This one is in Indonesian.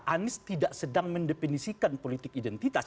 anies tidak sedang mendefinisikan politik identitas